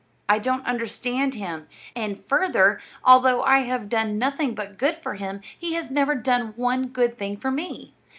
I don't understand him. And further: although I have done nothing but good for him, he has never done one good thing for me.